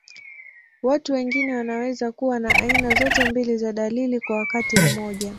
Watu wengine wanaweza kuwa na aina zote mbili za dalili kwa wakati mmoja.